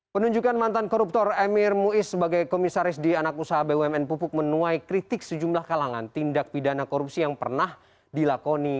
penunjukan mantan koruptor emir muiz sebagai komisaris di anak usaha bumn pupuk menuai kritik sejumlah kalangan tindak pidana korupsi yang pernah dilakoni